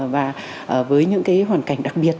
và với những hoàn cảnh đặc biệt